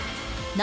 何？